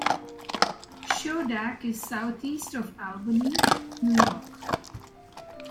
Schodack is southeast of Albany, New York.